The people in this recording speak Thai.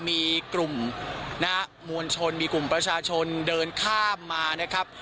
มีกลุ่มนะฮะมวลชนมีกลุ่มประชาชนเดินข้ามมานะครับ